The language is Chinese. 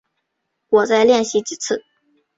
我再练习几次